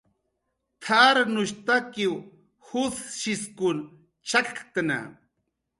"T""arnushtakiw jusshiskun chakktna"